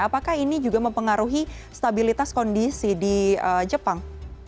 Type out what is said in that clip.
apakah ini juga mempengaruhi stabilitas kondisi di jepang